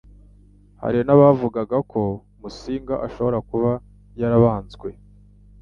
Hari nabavugaga ko Musinga ashobora kuba yarabanzwe,